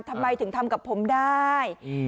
ทำไมถึงทำกับผมได้